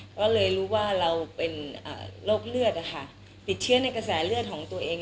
ก็เลยรู้ว่าเราเป็นโรคเลือดติดเชื้อในกระแสเลือดของตัวเอง